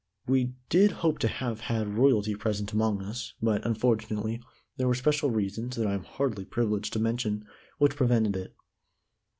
We did hope to have had Royalty present among us, but, unfortunately, there were special reasons, that I am hardly privileged to mention, which prevented it.